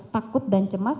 takut dan cemas